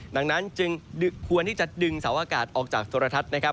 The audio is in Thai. ดังนั้นจึงควรที่จะดึงเสาอากาศออกจากโทรทัศน์นะครับ